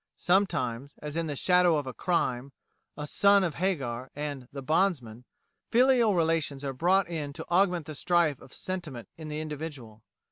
Sometimes, as in 'The Shadow of a Crime,' 'A Son of Hagar,' and 'The Bondman,' filial relations are brought in to augment the strife of sentiment in the individual.